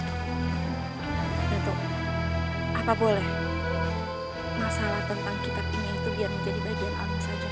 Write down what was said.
biar menjadi bagian alim saja